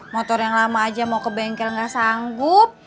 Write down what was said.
motor yang lama aja mau ke bengkel nggak sanggup